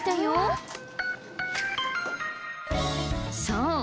そう！